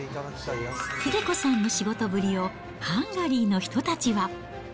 英子さんの仕事ぶりをハンガリーの人たちは。